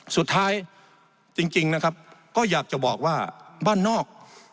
สุดท้ายจริงนะครับก็อยากจะบอกว่าบ้านนอก